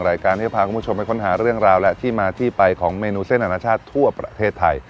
รายการที่จะพาคุณผู้ชมไปค้นหาเรื่องราวและที่มาที่ไปของเมนูเส้นอนาชาติทั่วประเทศไทย